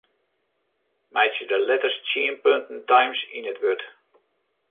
Meitsje de letters tsien punten Times yn it wurd.